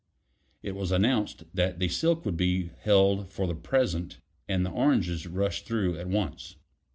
It was announced that the silk would be held for the present and the oranges rushed through at once.